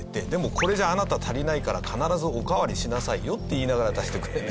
これじゃあなた足りないから必ずおかわりしなさいよ」って言いながら出してくれるんです。